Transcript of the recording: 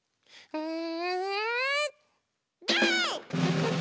うん。